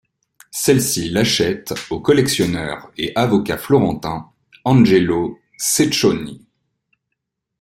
Celle-ci l'achète au collectionneur et avocat florentin Angelo Cecconi.